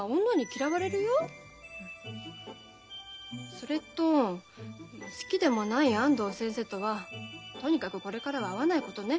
それと好きでもない安藤先生とはとにかくこれからは会わないことね。